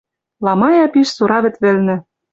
Ламая пиш Сура вӹд вӹлнӹ.